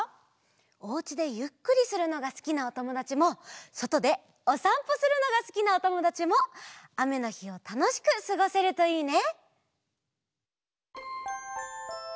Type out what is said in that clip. おうちでゆっくりするのがすきなおともだちもそとでおさんぽするのがすきなおともだちもあめのひをたのしくすごせるといいね！